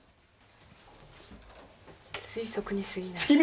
推測にすぎない。